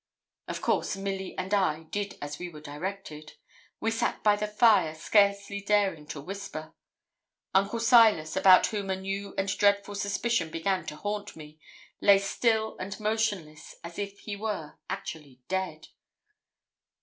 Of course Milly and I did as we were directed. We sat by the fire, scarcely daring to whisper. Uncle Silas, about whom a new and dreadful suspicion began to haunt me, lay still and motionless as if he were actually dead.